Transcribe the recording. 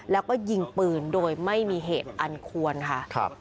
แล้วก็ยิงปืนโดยไม่มีเหตุอันควรค่ะ